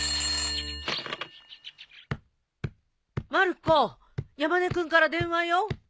☎まる子山根君から電話よ。